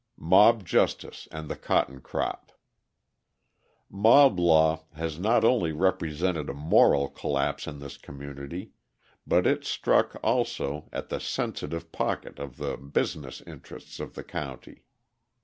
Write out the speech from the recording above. Mob Justice and the Cotton Crop Mob law has not only represented a moral collapse in this community, but it struck, also, at the sensitive pocket of the business interests of the county.